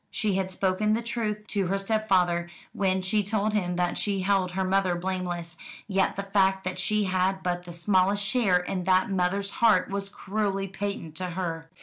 She had spoken the truth to her stepfather when she told him that she held her mother blameless; yet the fact that she had but the smallest share in that mother's heart was cruelly patent to her.